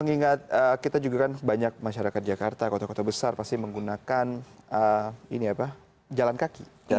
mengingat kita juga kan banyak masyarakat jakarta kota kota besar pasti menggunakan jalan kaki